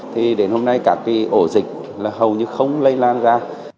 thì đến hôm nay cả cái ổ dịch là hầu như không lây lan ra